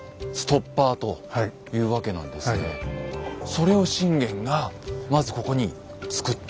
それを信玄がまずここに造った。